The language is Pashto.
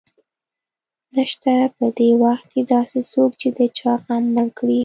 نشته په دې وخت کې داسې څوک چې د چا غم مړ کړي